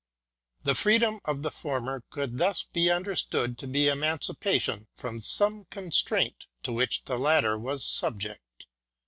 The freedom of the former could thus only be understood to be emancipation from some constraint to which the latter was subject.